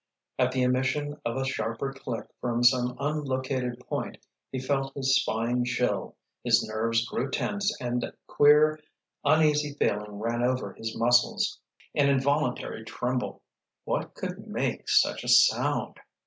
At the emission of a sharper click from some unlocated point he felt his spine chill, his nerves grew tense and a queer, uneasy feeling ran over his muscles, an involuntary tremble. "What could make such a sound?"